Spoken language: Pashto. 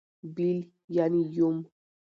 بېل. √ یوم